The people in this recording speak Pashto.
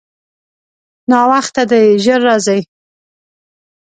ناوخته دی، ژر راځئ.